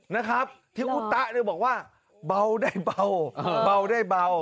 นะครับที่อุตะเนี่ยบอกว่าเบาได้เบาเบาได้เบา